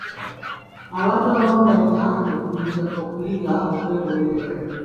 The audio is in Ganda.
Abantu abamu balina okuyiga okwekolerera.